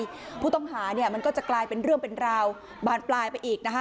ผู้ต้องหาเนี่ยมันก็จะกลายเป็นเรื่องเป็นราวบานปลายไปอีกนะคะ